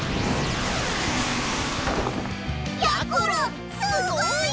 やころすごい！